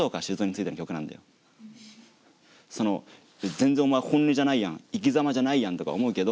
その全然お前本音じゃないやん生きざまじゃないやんとか思うけど。